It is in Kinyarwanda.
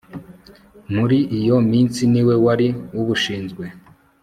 muri iyo minsi ni we wari ubushinzwe